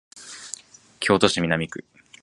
京都市南区